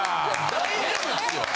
大丈夫ですよ。